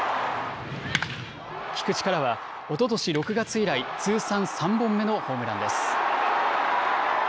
菊池からはおととし６月以来、通算３本目のホームランです。